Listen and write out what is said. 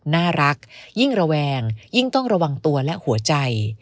น่ารักยิ่งระแวงยิ่งต้องระวังตัวและหัวใจ